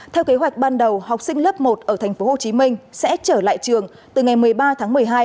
theo kế hoạch ban đầu học sinh lớp một ở tp hcm sẽ trở lại trường từ ngày một mươi ba tháng một mươi hai